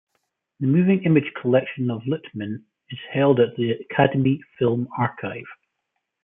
The moving image collection of Littman is held at the Academy Film Archive.